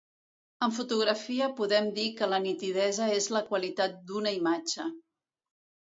En fotografia podem dir que la nitidesa és la qualitat d’una imatge.